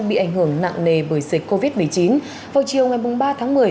bị ảnh hưởng nặng nề bởi dịch covid một mươi chín vào chiều ngày ba tháng một mươi